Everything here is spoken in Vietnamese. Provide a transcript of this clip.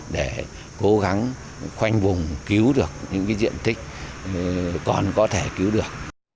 để cố gắng khoanh vùng cứu được những diện tích còn có thể cứu được